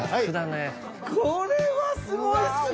これはすごいですね！